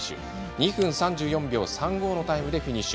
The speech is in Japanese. ２分３４秒３５のタイムでフィニッシュ。